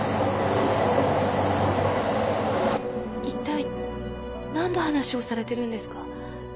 いったい何の話をされてるんですか？